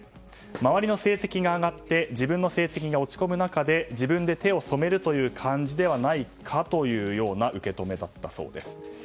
周りの成績が上がって自分の成績が落ち込む中で自分で手を染めるという感じではないかというような受け止めだったそうです。